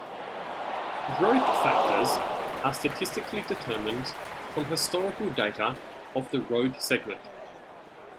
Growth Factors are statistically determined from historical data of the road segment.